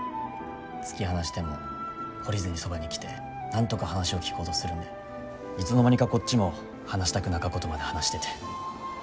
突き放しても懲りずにそばに来てなんとか話を聞こうとするんでいつの間にかこっちも話したくなかことまで話してて。